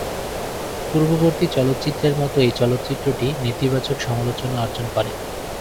পূর্ববর্তী চলচ্চিত্রের মত এই চলচ্চিত্রটি নেতিবাচক সমালোচনা অর্জন করে।